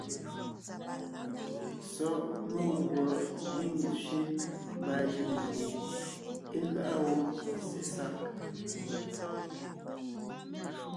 Sɔ́ meguɔ gíŋ tsẅe mbaa jʉʼ gie é gáʼa wó sesag.